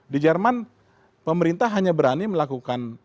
di jerman pemerintah hanya berani melakukan